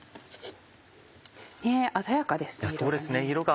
鮮やかですね色が。